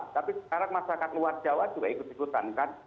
tapi sekarang masyarakat luar jawa juga ikut ikutan kan